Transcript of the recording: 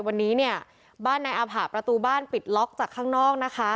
วันนี้เนี่ยบ้านนายอาผะประตูบ้านปิดล็อกจากข้างนอกนะคะ